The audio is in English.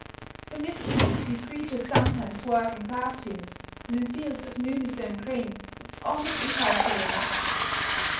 The mischief these creatures sometimes work in grass fields, and in fields of newly sown grain, is almost incalculable.